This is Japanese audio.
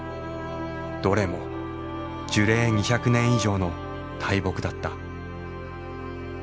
どれも樹齢２００年以上の大木だった。